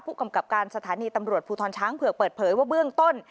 กำกับการสถานีตำรวจภูทรช้างเผือกเปิดเผยว่าเบื้องต้น